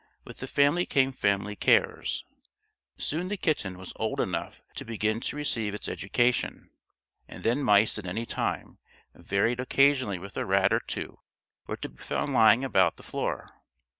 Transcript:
With the family came family cares. Soon the kitten was old enough to begin to receive its education, and then mice at any time, varied occasionally with a rat or two were to be found lying about the floor.